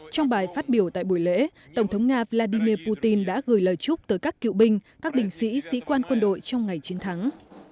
trong bài phát biểu tại buổi lễ tổng thống nga vladimir putin đã gửi lời chúc tới các cựu binh các binh sĩ sĩ quan quân đội trong ngày chiến thắng